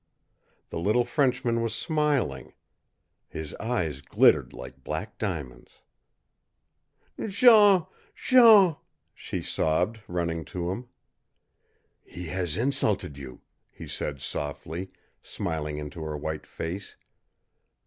The little Frenchman was smiling. His eyes glittered like black diamonds. "Jean, Jean!" she sobbed, running to him. "He has insulted you," he said softly, smiling into her white face.